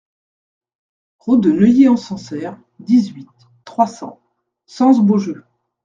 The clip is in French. Route de Neuilly-en-Sancerre, dix-huit, trois cents Sens-Beaujeu